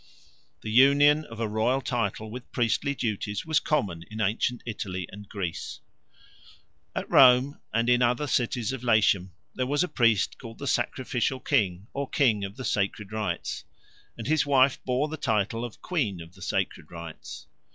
The union of a royal title with priestly duties was common in ancient Italy and Greece. At Rome and in other cities of Latium there was a priest called the Sacrificial King or King of the Sacred Rites, and his wife bore the title of Queen of the Sacred Rites.